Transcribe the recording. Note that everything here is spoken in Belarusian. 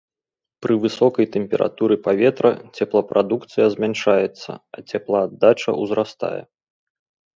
Пры высокай тэмпературы паветра цеплапрадукцыя змяншаецца, а цеплааддача ўзрастае.